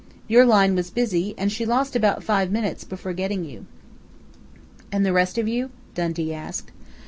Your line was busy, and she lost about five minutes before getting you." "And the rest of you?" Dundee asked.